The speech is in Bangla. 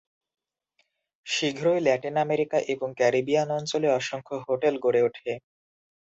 শীঘ্রই ল্যাটিন আমেরিকা এবং ক্যারিবিয়ান অঞ্চলে অসংখ্য হোটেল গড়ে ওঠে।